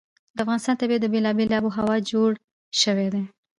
د افغانستان طبیعت له بېلابېلې آب وهوا جوړ شوی دی.